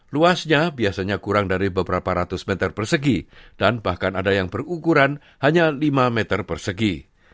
luasnya biasanya kurang dari beberapa ratus meter persegi dan bahkan ada yang berukuran hanya lima meter persegi